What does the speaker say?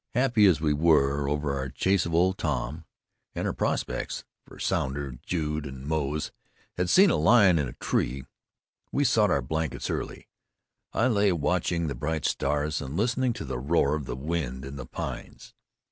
'" Happy as we were over the chase of Old Tom, and our prospects for Sounder, Jude and Moze had seen a lion in a tree we sought our blankets early. I lay watching the bright stars, and listening to the roar of the wind in the pines.